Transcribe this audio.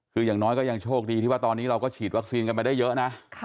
คืออย่างน้อยก็ยังโชคดีที่ว่าตอนนี้เราก็ฉีดวัคซีนกันไปได้เยอะนะ